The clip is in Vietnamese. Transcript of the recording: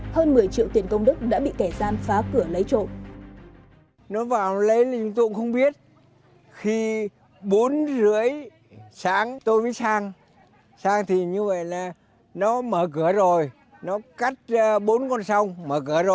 hơn một mươi triệu tiền công đức đã bị kẻ gian phá cửa lấy trộm